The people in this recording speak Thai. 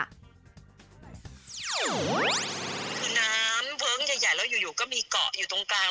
คือน้ำเพิ้งใหญ่แล้วอยู่ก็มีเกาะอยู่ตรงกลาง